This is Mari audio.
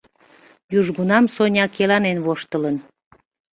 Южгунам Соня келанен воштылын.